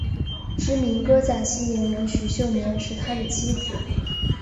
知名歌仔戏演员许秀年是他的妻子。